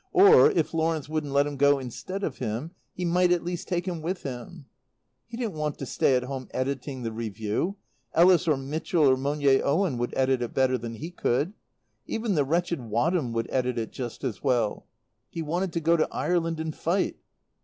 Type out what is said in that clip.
Or, if Lawrence wouldn't let him go instead of him, he might at least take him with him. He didn't want to stay at home editing the Review. Ellis or Mitchell or Monier Owen would edit it better than he could. Even the wretched Wadham would edit it just as well. He wanted to go to Ireland and fight.